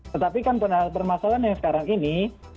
tetapi kan permasalahan yang sekarang ini